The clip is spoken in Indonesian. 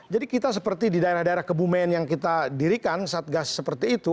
kita seperti di daerah daerah kebumen yang kita dirikan satgas seperti itu